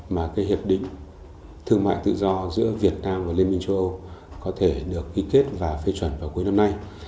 mà cái hiệp định thương mại tự do giữa việt nam và liên minh châu âu có thể được ký kết và phê chuẩn vào cuối năm nay